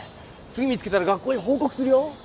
次見つけたら学校に報告するよ